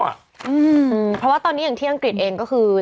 เพราะว่าตอนนี้อย่างที่อังกฤษเองก็คือ